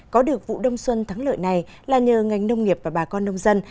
có được vụ đông xuân thắng lợi này là nhờ ngành nông nghiệp và bà con nông dân